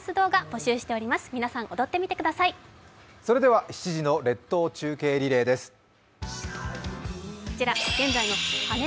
それでは７時の列島中継リレーです。